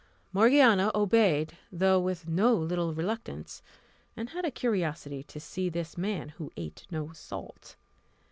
Morgiana obeyed, though with no little reluctance, and had a curiosity to see this man who ate no salt.